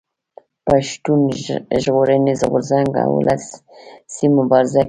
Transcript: پښتون ژغورني غورځنګ اولسي مبارزه کوي